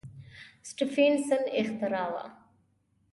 سټېفنسن اختراع وه.